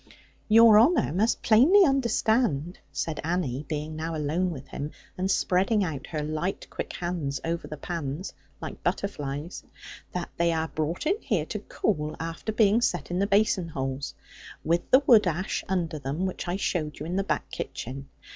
'Your honour must plainly understand,' said Annie, being now alone with him, and spreading out her light quick hands over the pans, like butterflies, 'that they are brought in here to cool, after being set in the basin holes, with the wood ash under them, which I showed you in the back kitchen.